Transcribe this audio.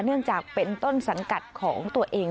เนื่องจากเป็นต้นสังกัดของตัวเอง